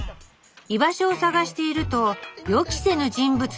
居場所を探していると予期せぬ人物と遭遇しました。